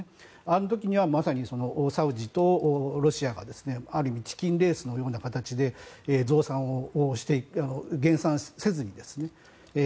あの時にはサウジとロシアがある意味チキンレースのような形で増産をして、減産せずにですね。